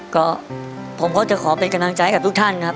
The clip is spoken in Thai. ก็ผมก็จะขอเป็นกำลังใจกับทุกท่านครับ